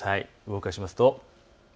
動かしますと。